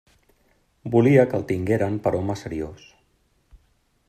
Volia que el tingueren per home seriós.